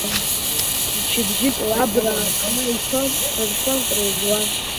Мчыбжьык лабраа рҟны ицон, крырфон, крыржәуан…